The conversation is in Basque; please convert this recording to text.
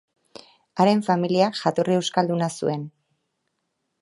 Haren familiak jatorri euskalduna zuen.